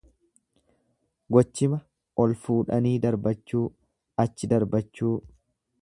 Gochima ol fuudhanii darbachuu. achi darbachuu.